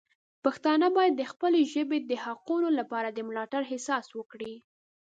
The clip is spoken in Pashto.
پښتانه باید د خپلې ژبې د حقونو لپاره د ملاتړ احساس وکړي.